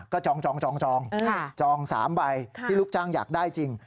ก็จองจอง๓ใบที่ลูกจ้างอยากได้จริง